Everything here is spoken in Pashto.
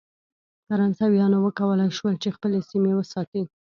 فرانسویانو وکولای شول چې خپلې سیمې وساتي.